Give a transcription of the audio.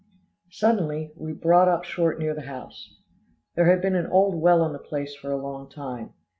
Suddenly, we brought up short near the house. There had been an old well on the place for a long time.